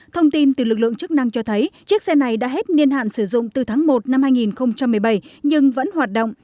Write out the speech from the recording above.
thông tin từ lực lượng chức năng cho thấy chiếc xe này đã hết niên hạn sử dụng từ tháng một năm hai nghìn một mươi bảy nhưng vẫn hoạt động